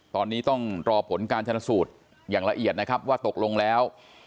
ตอนนี้ต้องรอผลการชนสูตรอย่างละเอียดนะครับว่าตกลงแล้ว